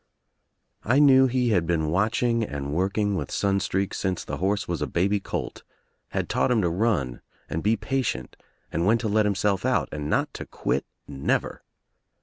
I knew he had been watching and working with Sun streak since the horse was a baby colt, had taught him to run and be patient and when to let himself out and not to quit, never.